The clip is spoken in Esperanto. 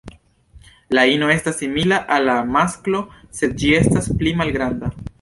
La ino estas simila al la masklo, sed ĝi estas pli malgranda.